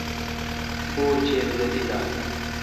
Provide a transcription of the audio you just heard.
بوُچیر وے°تیلال۔